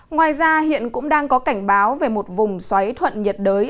ngoài ra hiện cũng đang có cảnh báo về một vùng xoáy thuận nhiệt đới